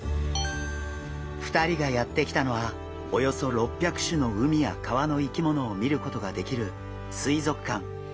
２人がやって来たのはおよそ６００種の海や川の生き物を見ることができる水族館。